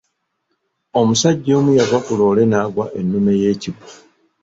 Omusajja omu yava ku loole n'aggwa ennume y'ekigwo.